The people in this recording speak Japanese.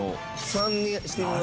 ３にしてみよう。